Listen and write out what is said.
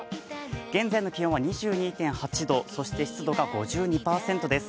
現在の気温は２２．８度、そして湿度が５２％です。